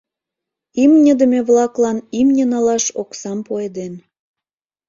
Имньыдыме-влаклан имне налаш оксам пуэден.